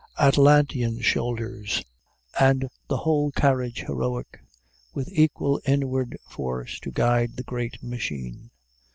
Atlantean shoulders, and the whole carriage heroic, with equal inward force to guide the great machine!